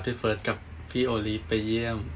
เฟิร์สกับพี่โอลีฟไปเยี่ยม